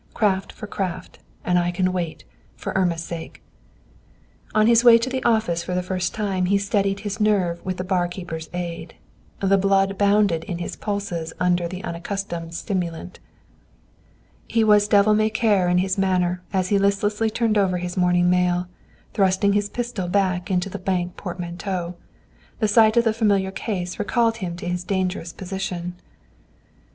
Craft for craft, and I can wait. For Irma's sake!" On his way to the office for the first time he steadied his nerve with the bar keeper's aid. The blood bounded in his pulses under the unaccustomed stimulant. He was devil may care in his manner as he listlessly turned over his morning mail, thrusting his pistol back into the bank portmanteau. The sight of the familiar case recalled to him his dangerous position.